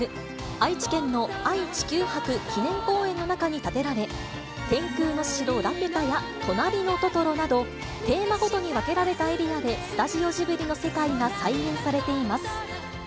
愛知県の愛・地球博記念公園の中に建てられ、天空の城ラピュタやとなりのトトロなど、テーマごとに分けられたエリアでスタジオジブリの世界が再現されています。